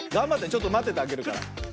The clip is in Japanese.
ちょっとまっててあげるから。